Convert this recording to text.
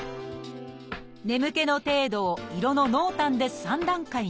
眠気の程度を色の濃淡で３段階に。